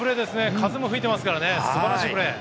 風も吹いてますから素晴らしいプレー。